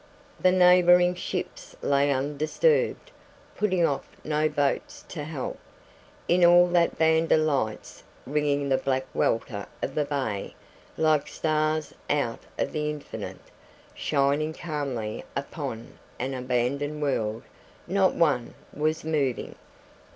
The neighbouring ships lay undisturbed, putting off no boats to help. In all that band of lights ringing the black welter of the bay, like stars out of the Infinite, shining calmly upon an abandoned world, not one was moving.